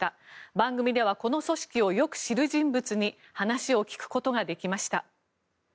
番組ではこの組織をよく知る人物に話を聞くことができました。